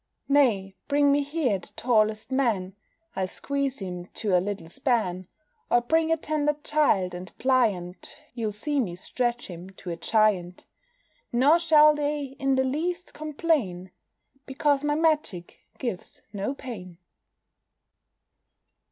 Nay, bring me here the tallest man, I'll squeeze him to a little span; Or bring a tender child, and pliant, You'll see me stretch him to a giant: Nor shall they in the least complain, Because my magic gives no pain.